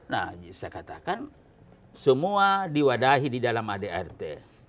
nah sekatakan semua diwadahi didalam adrt